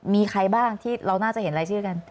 มีใครบ้างที่เราน่าจะเห็นรายชื่อกัน